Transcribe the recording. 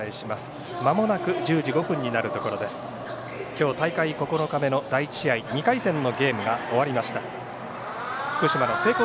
今日、大会９日目の第１試合２回戦のゲームが終わりました。